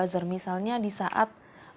buzzer misalnya di saat